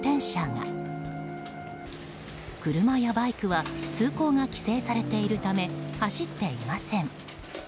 車やバイクは通行が規制されているため走っていません。